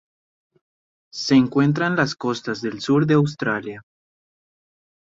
Se encuentran en las costas del sur de Australia.